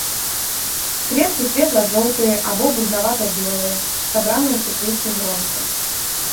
Кветкі светла-жоўтыя або бруднавата-белыя, сабраны ў суквецці-гронкі.